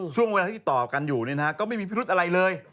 ช่วงเวลาที่ติดต่อกันอยู่ก็ไม่มีพิรุธอะไรเลย